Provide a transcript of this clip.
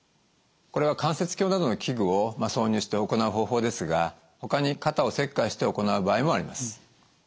これは関節鏡などの器具を挿入して行う方法ですがほかに肩を切開して行う場合もあります。